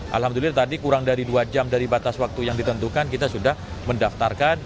alhamdulillah tadi kurang dari dua jam dari batas waktu yang ditentukan kita sudah mendaftarkan